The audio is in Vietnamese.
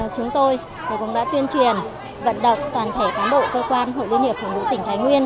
chúng tôi cũng đã tuyên truyền vận động toàn thể cán bộ cơ quan hội liên hiệp phụ nữ tỉnh thái nguyên